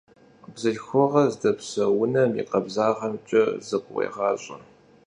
Bzılhxuğe zdepseu vunem yi khebzağemç'e zıkhuêğaş'e.